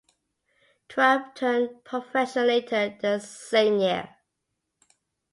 Tua turned professional later the same year.